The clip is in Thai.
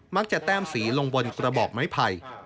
มักจะแต้มสีลงบนกระบอกไม่ไผ่